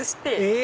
え